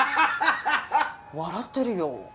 笑ってるよ。